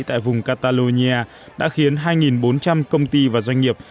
tại vùng catalonia đã khiến hai bốn trăm linh công ty và doanh nghiệp